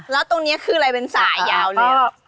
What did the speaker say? แล้วตรงนี้คืออะไรเป็นสายยาวเลย